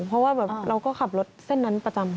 เพราะว่าเราก็ขับรถเส้นนั้นประจำ